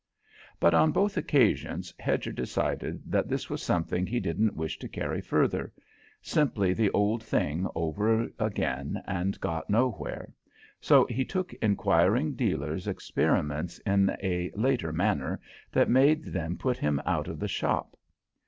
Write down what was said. But on both occasions Hedger decided that this was something he didn't wish to carry further, simply the old thing over again and got nowhere, so he took enquiring dealers experiments in a "later manner," that made them put him out of the shop.